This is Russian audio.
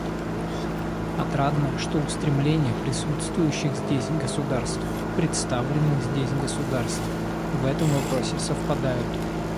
Отрадно, что устремления присутствующих здесь государств — представленных здесь государств — в этом вопросе совпадают.